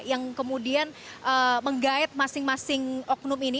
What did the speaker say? yang kemudian menggait masing masing oknum ini